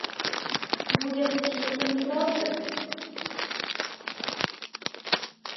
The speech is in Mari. — Вует гыч луктын кудалте!